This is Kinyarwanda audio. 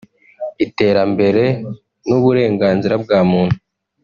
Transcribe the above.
iterambere n’uburenganzira bwa muntu